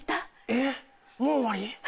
えっもう終わり？